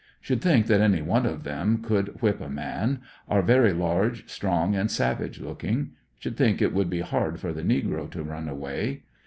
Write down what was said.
Should think that any one of them could whip a man ; are very large, strong, and savage looking. Should think "it would be hard for the negro to run away.